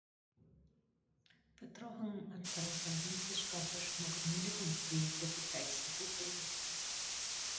Vertraging in die aanstelling van diensverskaffers maak dit moeilik om projekte betyds te voltooi.